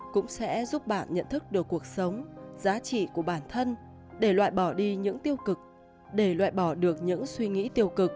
cũng sẽ giúp bạn nhận thức được cuộc sống giá trị của bản thân để loại bỏ đi những tiêu cực để loại bỏ được những suy nghĩ tiêu cực